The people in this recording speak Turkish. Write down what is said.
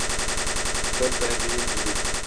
Söz verdiğim gibi.